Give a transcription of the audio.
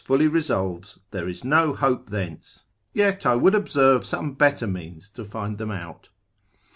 4. fully resolves, there is no hope thence, yet I would observe some better means to find them out.